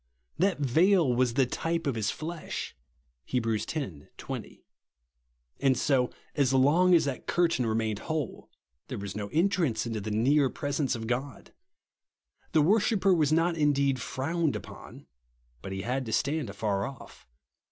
Ttat veil was the type of his flesh (Heb. x. 20) ; and, so long as that curtain remained Avhole, there was no entrance into the near presence of God. The worshipper was not indeed frowned upon ; but he had to stand afar off.